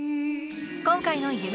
今回の夢